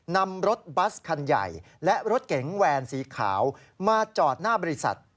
นำรถบัสคันใหญ่และรถเก๋งแวนสีขาวมาจอดหน้าบริษัท